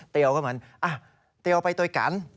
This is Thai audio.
เตียวก็มันเตียวไปด้วยกัน